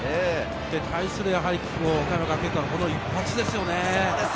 対する岡山学芸館、この一発ですよね。